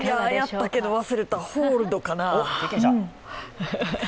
やったけど忘れた、ホールドかな？